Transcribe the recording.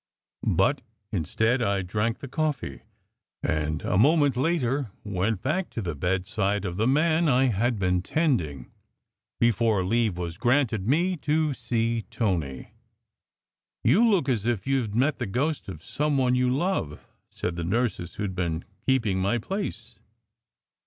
But instead, I drank the coffee; and a moment later went back to the bedside of the man I had been tending before leave was granted me to see Tony. "You look as if you d met the ghost of some one you love," said the nurse who had been keeping my place.